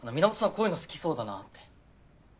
こういうの好きそうだなって。